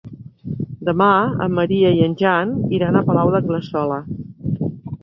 Demà en Maria i en Jan iran al Palau d'Anglesola.